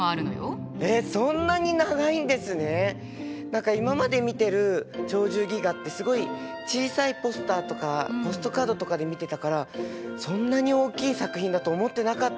何か今まで見てる「鳥獣戯画」ってすごい小さいポスターとかポストカードとかで見てたからそんなに大きい作品だと思ってなかったです。